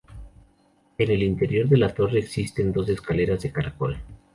En el interior de la torre, existen dos escaleras de caracol.